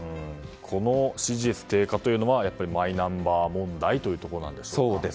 この支持率低下というのはやっぱりマイナンバー問題というところなんですか。